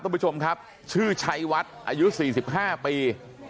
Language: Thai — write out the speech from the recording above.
คุณผู้ชมครับชื่อชัยวัดอายุ๔๕ปี